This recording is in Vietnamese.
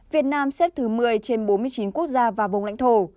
việt nam xếp thứ một mươi trên bốn mươi chín quốc gia và vùng lãnh thổ